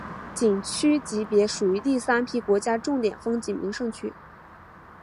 景区级别属于第三批国家重点风景名胜区。